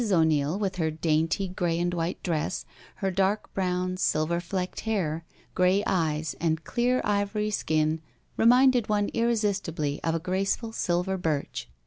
0*Neil, with her dainty grey and white dress, her dark brown, silver flicked hair, grey eyes and clear ivory skin, reminded one irresistibly of a graceful silver birch.